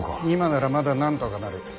今ならまだなんとかなる。